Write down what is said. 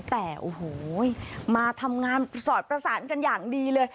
แต่โอ้โหมาทำงานสอดประสานกันอย่างดีเลย